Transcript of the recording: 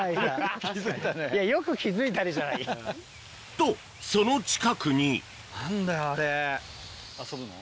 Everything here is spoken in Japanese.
とその近くに遊ぶの？